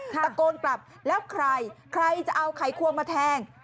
ตะโกนกลับแล้วใครใครจะเอาไขควงมาแทง